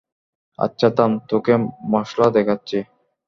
আচ্ছা থাম তোকে মশলা দেখাচ্ছি।